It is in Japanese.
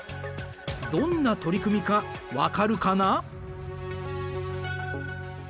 どんな取り組みか分かるかな？